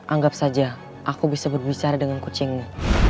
anggap saja aku bisa berbicara dengan kucingnya